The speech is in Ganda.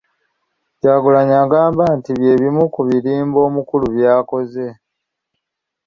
Kyagulanyi agamba nti bye bimu ku birimbo omukulu by'akozesa.